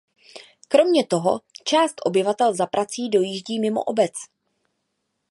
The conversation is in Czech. Kromě toho část obyvatel za prací dojíždí mimo obec.